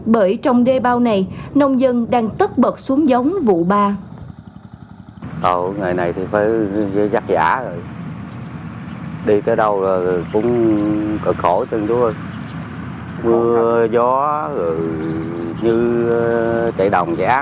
bởi trong đê bao này nông dân đang tất bật xuống giống vụ ba